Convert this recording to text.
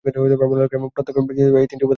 প্রত্যেক ব্যক্তিতেও এই তিনটি উপাদান বিরাজমান।